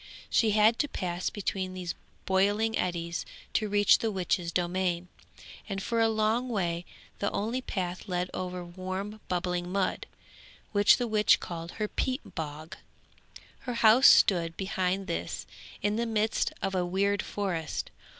She had to pass between these boiling eddies to reach the witch's domain, and for a long way the only path led over warm bubbling mud, which the witch called her 'peat bog.' Her house stood behind this in the midst of a weird forest.